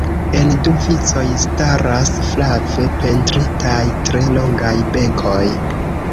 En du vicoj staras flave pentritaj tre longaj benkoj.